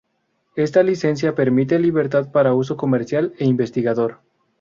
Esta licencia permite libertad para uso comercial e investigador.